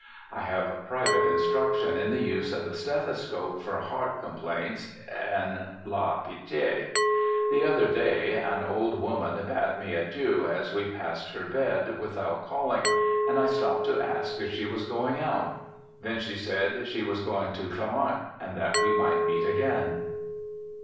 I have private instruction in the use of the stethoscope for heart complaints in La Pitie. The other day an old woman bade me adieu as we passed her bed without calhng, and I stopped to ask if she was going out. Then she said she was going to Clamart, and that we might meet again.'